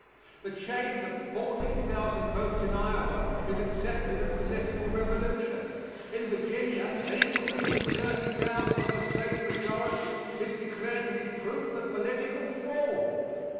The change of 40,000 votes in Iowa is accepted as political revolution in Virginia an increase of 30,000 on a safe majority is declared to be proof of political fraud.